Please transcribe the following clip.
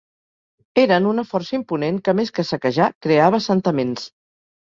Eren una força imponent que més que saquejar, creava assentaments.